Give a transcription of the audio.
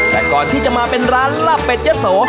แต่ก่อนที่จะมาเป็นร้านลาบเป็ดยะโส